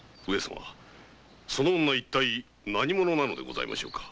その女何者なのでございましょうか？